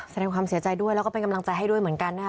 แสดงความเสียใจด้วยแล้วก็เป็นกำลังใจให้ด้วยเหมือนกันนะคะ